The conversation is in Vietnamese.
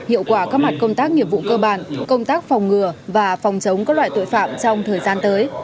hiệu quả các mặt công tác nghiệp vụ cơ bản công tác phòng ngừa và phòng chống các loại tội phạm trong thời gian tới